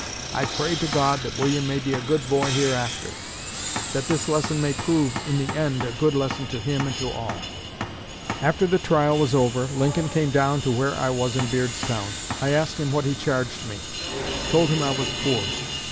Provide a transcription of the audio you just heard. I pray to God that William may be a good boy hereafter; that this lesson may prove in the end a good lesson to him and to all.' After the trial was over, Lincoln came down to where I was in Beardstown. I asked him what he charged me; told him I was poor.